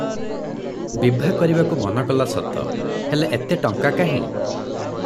ବିଭା କରିବାକୁ ମନ କଲା ସତ, ହେଲେ ଏତେ ଟଙ୍କା କାହିଁ?